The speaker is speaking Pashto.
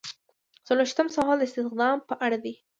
څلویښتم سوال د استخدام په اړه دی.